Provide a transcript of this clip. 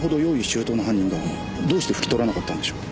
周到な犯人がどうして拭き取らなかったんでしょう？